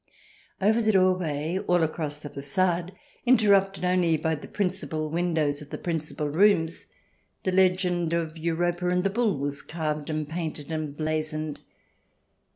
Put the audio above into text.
Over the doorway, all across the fagade, interrupted only by the principal windows of the principal rooms, the legend of Europa and the Bull was carved and painted and blazoned.